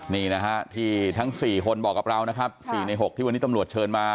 นี่นะฮะที่ทั้ง๔คนบอกกับเรานะครับ๔ใน๖ที่วันนี้ตำรวจเชิญมา